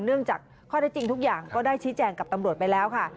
เนื่องจากข้อได้จริงทุกอย่างก็ได้ชี้แจงกับตำรวจไปแล้วค่ะ